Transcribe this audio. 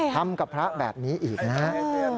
ทำกับพระแบบนี้อีกนะครับ